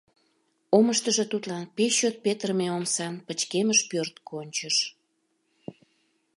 Омыштыжо тудлан пеш чот петырыме омсан пычкемыш пӧрт кончыш.